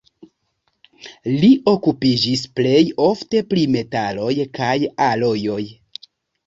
Li okupiĝis plej ofte pri metaloj kaj alojoj.